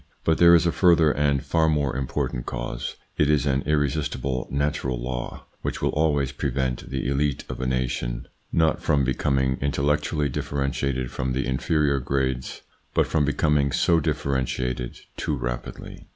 But there is a further and far more important cause it is an irresistible natural law which will always prevent the elite of a nation, ITS INFLUENCE ON THEIR EVOLUTION 45 not from becoming intellectually differentiated from the inferior grades, but from becoming so differenti ated too rapidly.